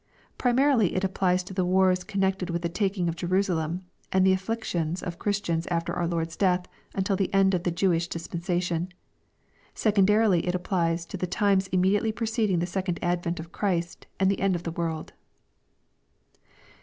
Primarily it applies to the wars con nected with the taking of Jerusalem, and the aflaictions of Chris tians after our Lord's death until the end of the Jewish dispensa tion. Secondarily it applies to the times immediately preceding the second advent of Christ and the end of the world.